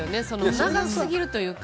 長すぎるというか。